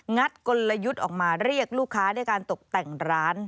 กลยุทธ์ออกมาเรียกลูกค้าด้วยการตกแต่งร้าน